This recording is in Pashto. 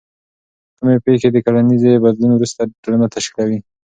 کومې پیښې د کلنیزې بدلون وروسته ټولنه تشکیلوي؟